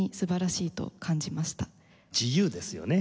自由ですよね。